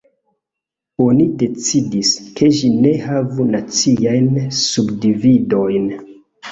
Oni decidis, ke ĝi ne havu naciajn subdividojn.